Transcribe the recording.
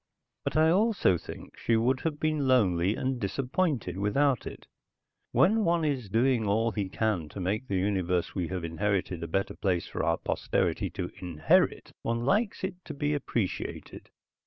But I also think she would have been lonely and disappointed without it. When one is doing all he can to make the universe we have inherited a better place for our posterity to inherit one likes it to be appreciated.